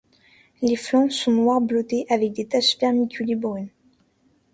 Les flancs sont noir-bleuté avec des taches vermiculées brunes.